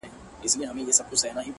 مُلا سړی سو’ اوس پر لاره د آدم راغلی’